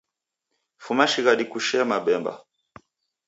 Fuma shighadi kushee mabemba.